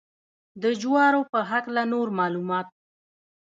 د جوارو په هکله نور معلومات.